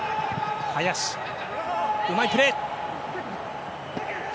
うまいプレー！